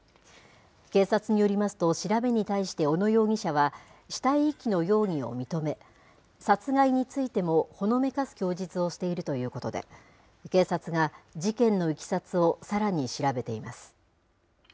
警察によりますと、調べに対して、小野容疑者は死体遺棄の容疑を認め、殺害についてもほのめかす供述をしているということで、警察が事件のいきさつをさらに調べています。